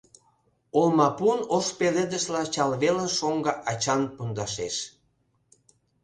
Олмапун ош пеледышла чал велын шоҥго ачан пондашеш.